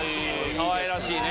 かわいらしいね。